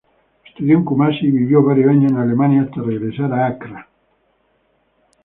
Estudió en Kumasi y vivió varios años en Alemania hasta regresar a Accra.